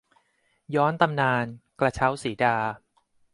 ย้อนตำนาน กระเช้าสีดา